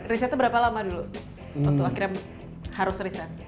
resetnya berapa lama dulu waktu akhirnya harus reset